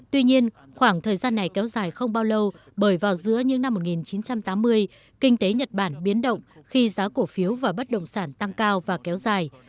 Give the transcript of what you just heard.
tuy nhiên khoảng thời gian này kéo dài không bao lâu bởi vào giữa những năm một nghìn chín trăm tám mươi kinh tế nhật bản biến động khi giá cổ phiếu và bất động sản tăng cao và kéo dài